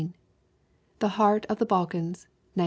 The Heart of the Balkans, 1917.